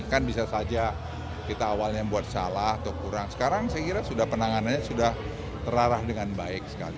kan bisa saja kita awalnya membuat salah atau kurang sekarang saya kira sudah penanganannya sudah terarah dengan baik sekali